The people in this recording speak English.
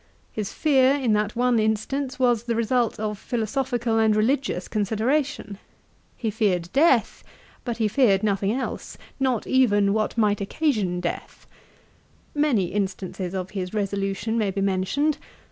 His fear, in that one instance, was the result of philosophical and religious consideration. He feared death, but he feared nothing else, not even what might occasion death. Many instances of his resolution may be mentioned.